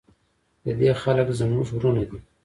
د دې خلک زموږ ورونه دي